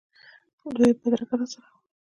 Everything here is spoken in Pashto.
لویه بدرګه راسره وه.